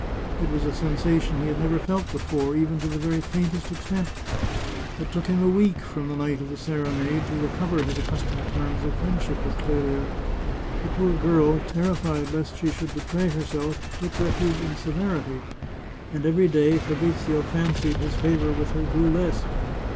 It was a sensation he had never felt before, even to the very faintest extent. It took him a week from the night of the serenade to recover his accustomed terms of friendship with Clelia. The poor girl, terrified lest she should betray herself, took refuge in sever ity, and every day Fabrizio fancied his favour with her gprew less.